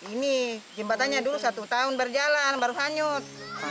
ini jembatannya dulu satu tahun berjalan baru hanyut